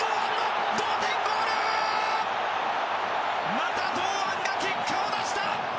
また堂安が結果を出した！